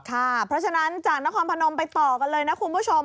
เพราะฉะนั้นจากนครพนมไปต่อกันเลยนะคุณผู้ชม